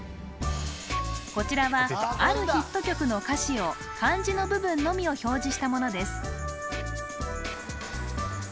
こちらはあるヒット曲の歌詞を漢字の部分のみを表示したものです